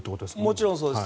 もちろんそうです。